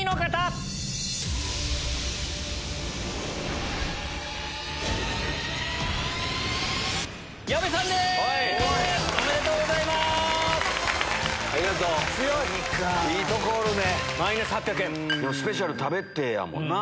スペシャルメニュー食べてやもんな。